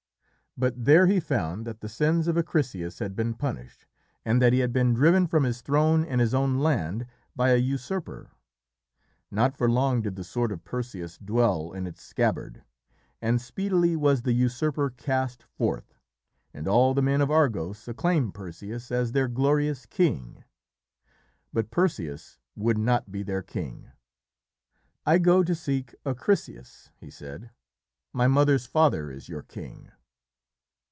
But there he found that the sins of Acrisius had been punished and that he had been driven from his throne and his own land by a usurper. Not for long did the sword of Perseus dwell in its scabbard, and speedily was the usurper cast forth, and all the men of Argos acclaimed Perseus as their glorious king. But Perseus would not be their king. "I go to seek Acrisius," he said. "My mother's father is your king."